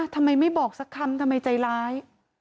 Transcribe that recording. ทำไมไม่บอกสักคำทำไมใจร้าย